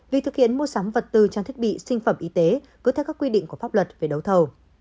vì thực hiện mua sắm vật tư trang thiết bị sinh phẩm y tế cứ theo các quy định của pháp luật về đấu thầu